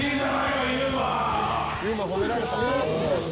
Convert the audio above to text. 侑真褒められた。